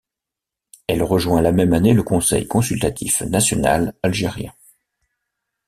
Elle rejoint la même année le Conseil consultatif national algérien.